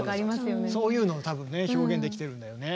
そういうのを多分表現できてるんだよね。